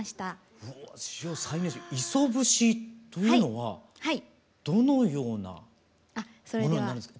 「磯節」というのはどのようなものになるんですか？